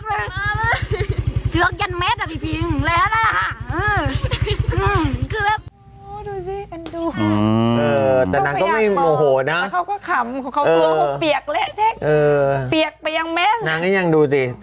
เพิ่มต๊อกน้ำกว่าสักครั้งแล้วก็อยากให้พี่พีเนี้ยช่วยสาโลกรอสกิส